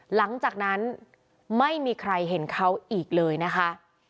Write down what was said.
หลังจากนั้นไม่มีใครเห็นเขาอีกเลยนะคะ